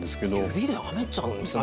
指で編めちゃうんですね。